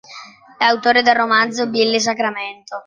È autore del romanzo "Billy Sacramento".